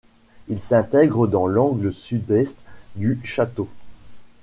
Il s'intègre dans l'angle sud-est du château.